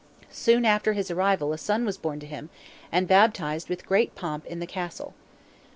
Soon after his arrival a son was born to him, and baptized with great pomp in the Castle.